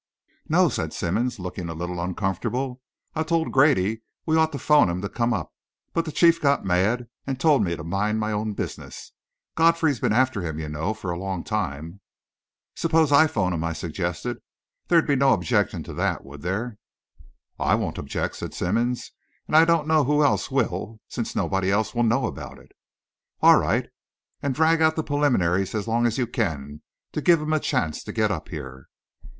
"No," said Simmonds, looking a little uncomfortable. "I told Grady we ought to 'phone him to come up, but the chief got mad and told me to mind my own business. Godfrey's been after him, you know, for a long time." "Suppose I 'phone him," I suggested. "There'd be no objection to that, would there?" "I won't object," said Simmonds, "and I don't know who else will, since nobody else will know about it." "All right. And drag out the preliminaries as long as you can, to give him a chance to get up here."